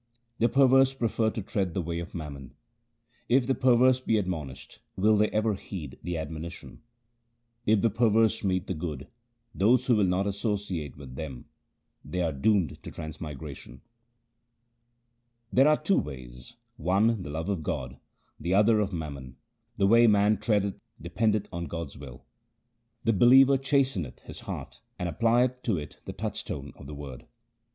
The perverse prefer to tread the way of mammon :— If the perverse be admonished, will they ever heed the admonition ? If the perverse meet the good, these will not associate with them ; they are doomed to transmigration. HYMNS OF GURU AMAR DAS 167 There are two ways — one the love of God, the other of mammon ; 1 the way man treadeth dependeth on God's will. The believer chasteneth his heart and applieth to it the touchstone of the Word.